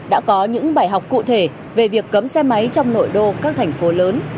đã có những bài học cụ thể về việc cấm xe máy trong nội đô các thành phố lớn